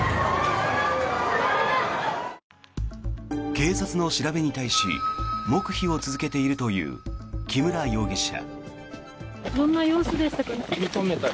警察の調べに対し黙秘を続けているという木村容疑者。